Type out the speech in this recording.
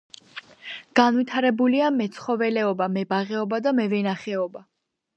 განვითარებულია მეცხოველეობა, მებაღეობა და მევენახეობა.